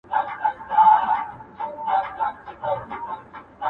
هره مور ده پرهارونه د ناصورو-